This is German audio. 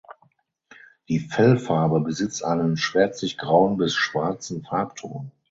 Die Fellfarbe besitzt einen schwärzlich grauen bis schwarzen Farbton.